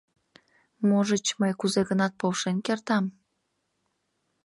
Можыч, мый кузе-гынат полшен кертам?